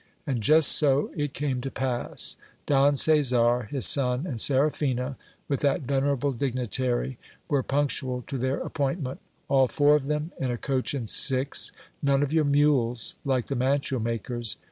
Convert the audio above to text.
And just so it came to pass : Don Caesar, his son, and Seraphina, with that venerable dignitary, were punctual to their appointment ; all four of them in a coach and six ; none of your mules, like the mantua makers